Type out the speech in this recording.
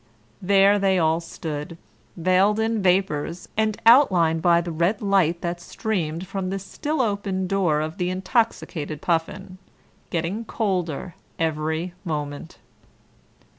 ... There they all stood, veiled in vapours, and outlined by the red light that streamed from the still open door of the intoxicated Puffin, getting colder every moment.